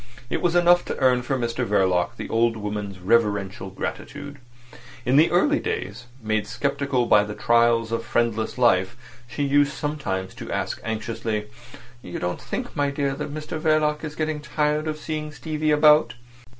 It was enough to earn for Mr Verloc the old woman's reverential gratitude. In the early days, made sceptical by the trials of friendless life, she used sometimes to ask anxiously: "You don't think, my dear, that Mr Verloc is getting tired of seeing Stevie about?"